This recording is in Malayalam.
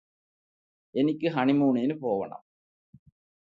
എനിക്ക് ഹണിമൂണിന് പോവണം